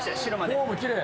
・フォームきれい！